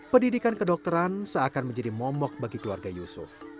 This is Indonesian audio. pendidikan kedokteran seakan menjadi momok bagi keluarga yusuf